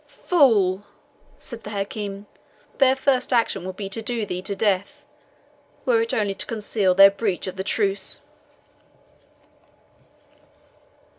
"Fool!" said the Hakim; "their first action would be to do thee to death, were it only to conceal their breach of the truce."